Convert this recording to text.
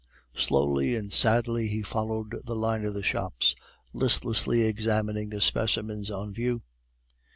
Slowly and sadly he followed the line of the shops, listlessly examining the specimens on view.